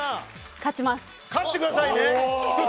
勝ってくださいね。